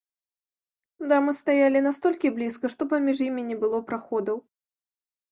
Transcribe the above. Дамы стаялі настолькі блізка, што паміж імі не было праходаў.